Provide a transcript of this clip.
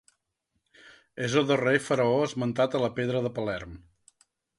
És el darrer faraó esmentat a la pedra de Palerm.